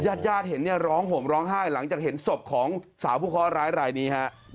ญาติยาดเห็นร้องห่มร้องไห้หลังจากเห็นสบของสาวผู้เค้าร้ายรายนี้